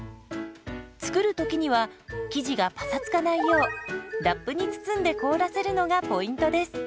作る時には生地がパサつかないようラップに包んで凍らせるのがポイントです。